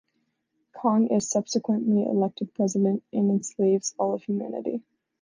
Kang is subsequently elected president and enslaves all of humanity.